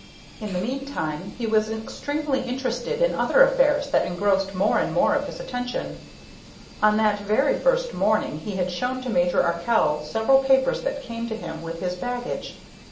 In the meantime he was extremely interested in other affairs that engrossed more and more of his attention. On that very first morning he had shown to Major Arkell several papers that came to him with his baggage.